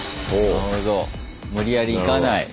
なるほど無理やりいかない。